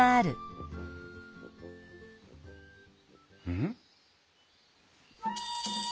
うん？